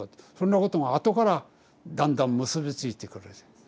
そんなことがあとからだんだん結び付いてくるんです。